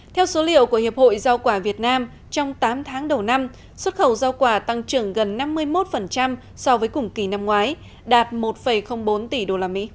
theo số liệu của hiệp hội rau quả việt nam trong tám tháng đầu năm xuất khẩu rau quả tăng trưởng gần năm mươi một so với cùng kỳ năm ngoái đạt một bốn tỷ usd